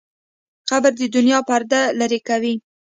قبر د دنیا پرده لرې کوي.